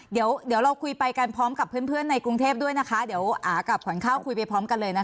เดี๋ยวเดี๋ยวเราคุยไปกันพร้อมกับเพื่อนในกรุงเทพด้วยนะคะเดี๋ยวอากับขวัญข้าวคุยไปพร้อมกันเลยนะคะ